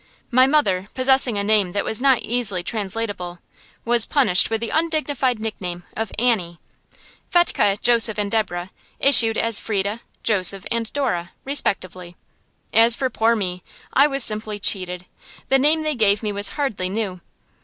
My mother, possessing a name that was not easily translatable, was punished with the undignified nickname of Annie. Fetchke, Joseph, and Deborah issued as Frieda, Joseph, and Dora, respectively. As for poor me, I was simply cheated. The name they gave me was hardly new.